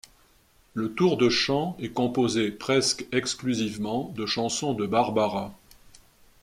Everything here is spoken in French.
Le tour de chant est composé presqu'exclusivement de chansons de Barbara.